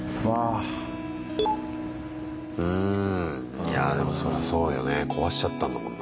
いやでもそらそうよね壊しちゃったんだもんな。